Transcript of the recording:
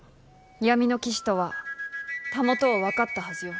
闇の騎士とはたもとを分かったはずよ。